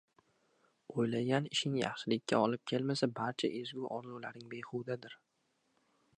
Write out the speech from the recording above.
O‘ylagan ishing yaxshilikka olib kelmasa, barcha ezgu orzularing behudadir.